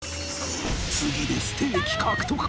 次でステーキ獲得か？